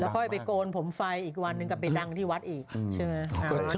ค่อยไปโกนผมไฟอีกวันนึงกลับไปดังที่วัดอีกใช่ไหม